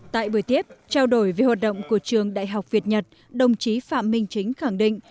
tại buổi tiếp trao đổi về hoạt động của trường đại học việt nhật đồng chí phạm minh chính khẳng định